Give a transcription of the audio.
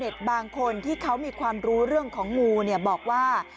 บางคนที่เขามีความรู้เรื่องของงูเนี่ยบอกว่า